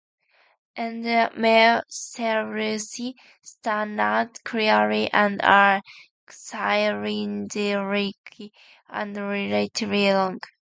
In the male cerci stand out clearly and are cylindrical and relatively long.